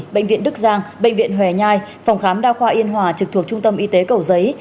bệnh viện đức giang bệnh viện hòe phòng khám đa khoa yên hòa trực thuộc trung tâm y tế cầu giấy